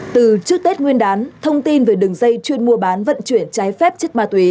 từ trước tết nguyên đán thông tin về đường dây chuyên mua bán vận chuyển trái phép chất ma túy